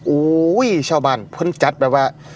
โอ้ยชาวบ้านเพิ่งจัดแบบว่า